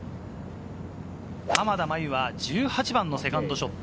濱田茉優は１８番のセカンドショット。